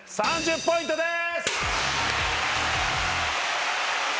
３０ポイントです。